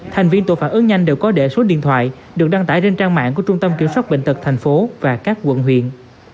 thành viên tổ phản ứng nhanh đều có để số điện thoại được đăng tải trên trang mạng của trung tâm kiểm soát bệnh tật thành phố và các quận huyện